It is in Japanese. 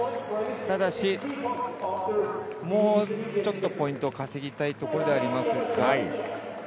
ただしもうちょっとポイントを稼ぎたいところではあります。